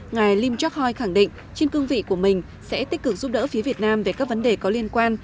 ngài lim chok hoi khẳng định trên cương vị của mình sẽ tích cực giúp đỡ phía việt nam về các vấn đề có liên quan